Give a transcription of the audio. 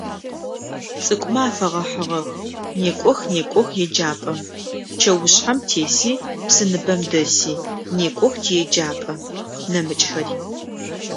Цӏыкӏумэ афэгъэхьыгъэх: «Некӏох, некӏох еджапӏэм…чэушъхьэм теси, псыныбэм дэси… некӏох тиеджапӏэ…», - нэмыкӏхэри.